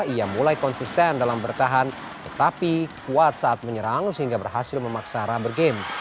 ia mulai konsisten dalam bertahan tetapi kuat saat menyerang sehingga berhasil memaksa rubber game